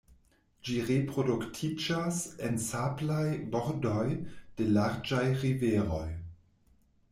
Ĝi reproduktiĝas en sablaj bordoj de larĝaj riveroj.